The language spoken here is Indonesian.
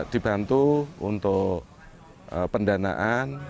dibantu untuk pendanaan